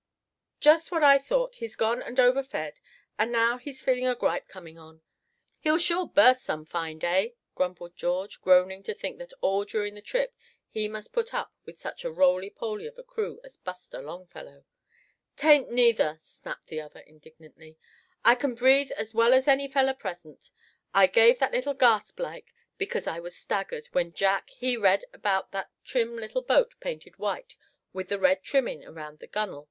"Just what I thought, he's gone and overfed, and now he's feeling a gripe coming on; he'll sure burst some fine day," grumbled George, groaning to think that all during the trip he must put up with such a rolypoly of a crew as Buster Longfellow. "'Tain't neither," snapped the other, indignantly. "I c'n breathe as well as any feller present. I gave that little gasp like because I was staggered, when Jack, he read about that trim little boat painted white, with the red trimmin' around the gunnel.